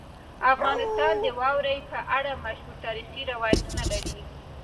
افغانستان د واورې په اړه مشهور تاریخي روایتونه لري.